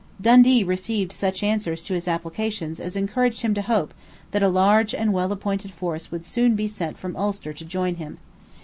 Dundee received such answers to his applications as encouraged him to hope that a large and well appointed force would soon be sent from Ulster to join him.